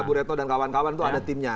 bureto dan kawan kawan itu ada timnya